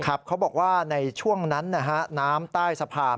เขาบอกว่าในช่วงนั้นนะฮะน้ำใต้สะพาน